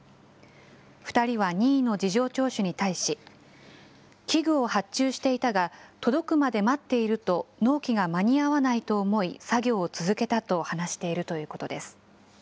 ２人は任意の事情聴取に対し、器具を発注していたが、届くまで待っていると納期が間に合わないと思い、作業を続けたと話しているということです。